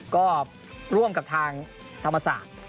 ก็ร่วมกับทางธรรมศาสตร์